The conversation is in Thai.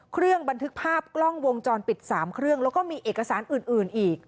บันทึกภาพกล้องวงจรปิด๓เครื่องแล้วก็มีเอกสารอื่นอีก